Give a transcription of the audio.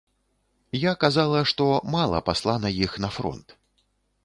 Я казала, што мала паслана іх на фронт.